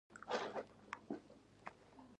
د فلاني کال د اپریل پر یوولسمه.